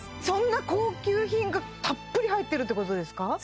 そんな高級品がたっぷり入ってるってことですか？